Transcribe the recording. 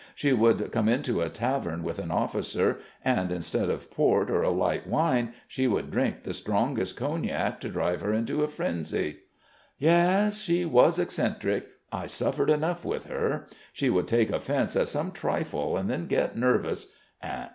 She would come into a tavern with an officer, and instead of port or a light wine, she would drink the strongest cognac to drive her into a frenzy." "Yes, she was eccentric. I suffered enough with her. She would take offence at some trifle and then get nervous....